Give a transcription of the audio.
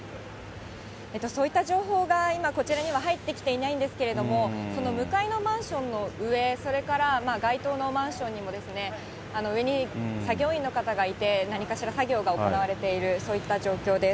そういった情報が、今、こちらには入ってきていないんですけれども、向かいのマンションの上、それから該当のマンションにも、上に作業員の方がいて、何かしら作業が行われている、そういった状況です。